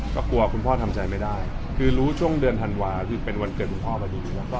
ก็กลัวคุณพ่อทำใจไม่ได้คือรู้ช่วงเดือนธันวาคือเป็นวันเกิดคุณพ่อพอดี